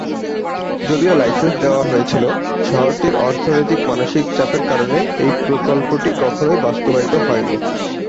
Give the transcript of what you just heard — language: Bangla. যদিও লাইসেন্স দেওয়া হয়েছিল, শহরটির অর্থনৈতিক মানসিক চাপের কারণে এই প্রকল্পটি কখনই বাস্তবায়িত হয়নি।